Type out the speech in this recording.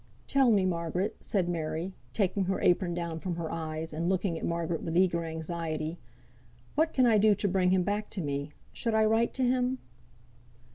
"Tell me, Margaret," said Mary, taking her apron down from her eyes, and looking at Margaret with eager anxiety, "what can I do to bring him back to me? Should I write to him?"